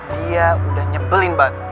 dia udah nyebelin banget